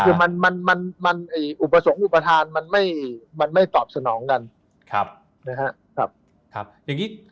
อุปสึกมันมายอุปถานมันไม่ตอบสนองกัน